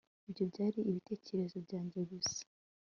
ibyo byari ibitekerezo byanjye gusa